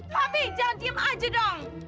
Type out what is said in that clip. papi jangan diem aja dong